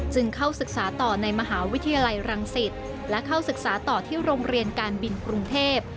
เข้าศึกษาต่อในมหาวิทยาลัยรังสิตและเข้าศึกษาต่อที่โรงเรียนการบินกรุงเทพ